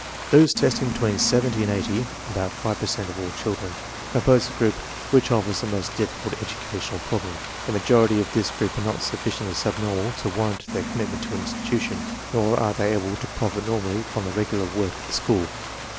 Those testing between 70 and 80 (about five per cent of all children) compose the group which offers the most difficult educational problem. The majority of this group are not sufficiently subnormal to warrant their commitment to an institution, nor are they able to profit normally from the regular work of the school.